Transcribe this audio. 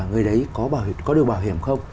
người đấy có được bảo hiểm không